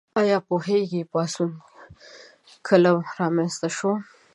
ایا پوهیږئ پاڅون کله رامنځته شو؟